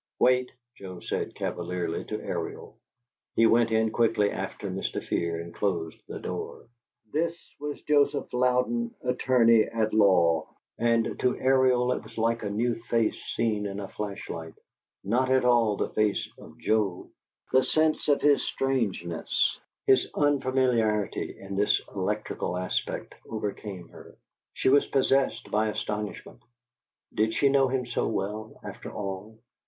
"Wait!" Joe said, cavalierly, to Ariel. He went in quickly after Mr. Fear and closed the door. This was Joseph Louden, Attorney at Law; and to Ariel it was like a new face seen in a flash light not at all the face of Joe. The sense of his strangeness, his unfamiliarity in this electrical aspect, overcame her. She was possessed by astonishment: Did she know him so well, after all?